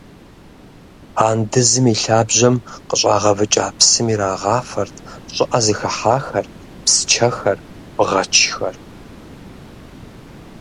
Андызым и лъабжьэм къыщӏагъэвыкӏа псым ирагъафэрт щӏыӏэ зыхыхьахэр, псчэхэр, бгъэчхэр.